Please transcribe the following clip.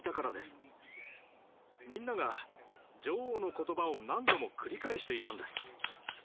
みんなが女王の言葉を何度も繰り返していたんです。